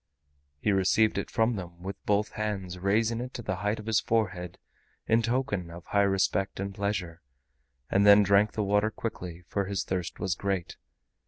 He received it from them with both hands, raising it to the height of his forehead in token of high respect and pleasure, and then drank the water quickly, for his thirst was great.